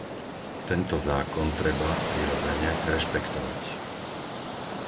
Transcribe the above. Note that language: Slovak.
Tento zákon treba, prirodzene, rešpektovať.